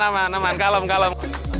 aman aman kalem kalem